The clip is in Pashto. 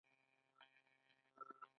احمد ته د کلي خلکو د ډېر ستره شمله ورکړله.